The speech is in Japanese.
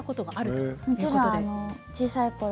もちろん小さいころ